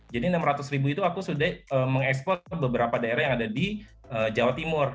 jadi rp enam ratus itu aku sudah mengekspor ke beberapa daerah yang ada di jawa timur